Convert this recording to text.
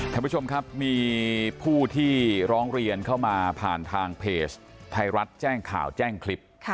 ท่านผู้ชมครับมีผู้ที่ร้องเรียนเข้ามาผ่านทางเพจไทยรัฐแจ้งข่าวแจ้งคลิป